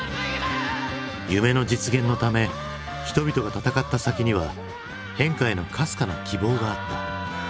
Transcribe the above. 夢の実現のため人々が闘った先には変化へのかすかな希望があった。